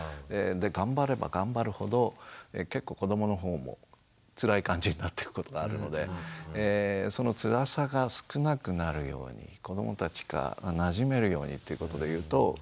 で頑張れば頑張るほど結構子どもの方もつらい感じになっていくことがあるのでそのつらさが少なくなるように子どもたちがなじめるようにということで言うと。